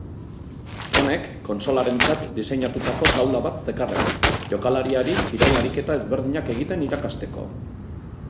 Honek, kontsolarentzat diseinatutako taula bat zekarren, jokalariari kirol-ariketa ezberdinak egiten irakasteko.